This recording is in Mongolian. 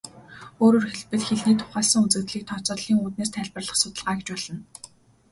Өөрөөр хэлбэл, хэлний тухайлсан үзэгдлийг тооцооллын үүднээс тайлбарлах судалгаа гэж болно.